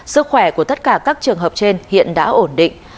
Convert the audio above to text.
sức khỏe của tất cả các trường hợp trên hiện đã ổn định